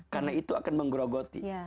karena itu akan menggerogoti